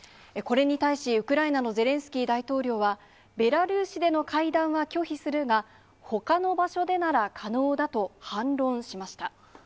これに対しウクライナのゼレンスキー大統領は、ベラルーシでの会談は拒否するが、ほかの場所でなら可能だと反論しました。